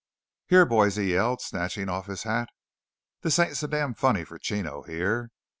"Here boys!" he yelled, snatching off his hat. "This ain't so damn funny for Chino here!"